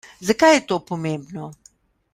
Zakaj je to pomembno?